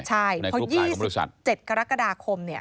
ใช่เพราะ๒๗กรกฎาคม